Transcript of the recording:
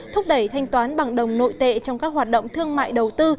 thúc đẩy thanh toán bằng đồng nội tệ trong các hoạt động thương mại đầu tư